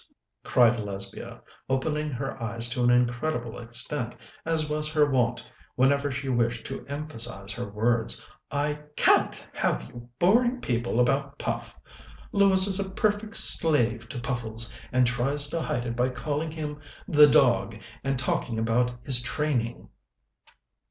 cried Lesbia, opening her eyes to an incredible extent, as was her wont whenever she wished to emphasize her words. "I can't have you boring people about Puff. Lewis is a perfect slave to Puffles, and tries to hide it by calling him 'the dog' and talking about his training."